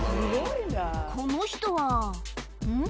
この人はん？